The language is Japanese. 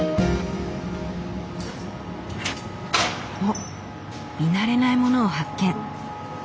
おっ見慣れないものを発見！